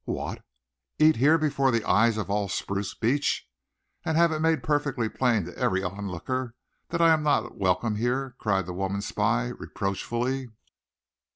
"What? Eat here before the eyes of all Spruce Beach? And have it made perfectly plain to every onlooker that I am not welcome here?" cried the woman spy, reproachfully.